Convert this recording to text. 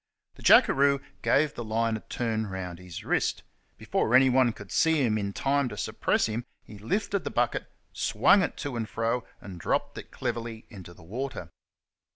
The jackeroo gave the line a turn round his wrist ; before anyone could see him in time to suppress him, he lifted the bucket, swung it to and fro, and dropped it cleverly into the water.